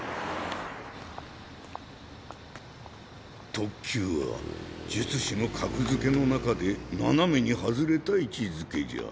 特級は術師の格付けの中で斜めに外れた位置づけじゃ。